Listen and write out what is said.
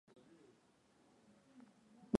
Yeye anaugua sana.